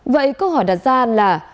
vậy câu hỏi đặt ra là